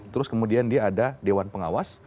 terus kemudian dia ada dewan pengawas